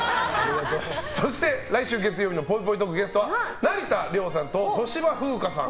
そして、来週月曜のぽいぽいトークゲストは成田凌さんと小芝風花さん